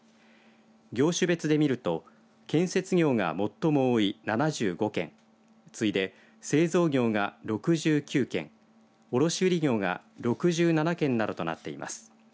業種別で見ると建設業が最も多い７５件次いで製造業が６９件卸売業が６７件などとなっています。